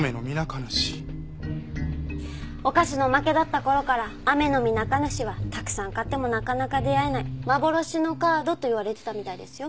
お菓子のおまけだった頃からアメノミナカヌシはたくさん買ってもなかなか出会えない幻のカードといわれてたみたいですよ。